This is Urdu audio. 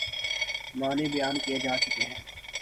معنی بیان کئے جا چکے ہیں۔